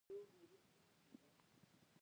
مصنوعي ځیرکتیا د فردي استعداد ملاتړ کوي.